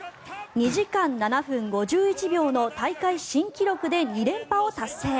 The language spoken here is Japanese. ２時間７分５１秒の大会新記録で２連覇を達成。